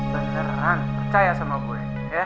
beneran percaya sama gue